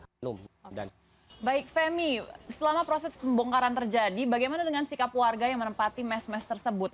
baik femi selama proses pembongkaran terjadi bagaimana dengan sikap warga yang menempati mes mes tersebut